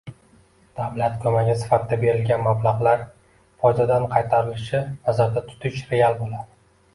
davlat ko‘magi sifatida berilgan mablag‘lar foydadan qaytarilishini nazarda tutish real bo‘ladi.